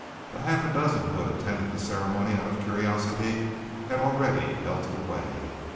The half a dozen who had attended the ceremony out of curiosity had already melted away.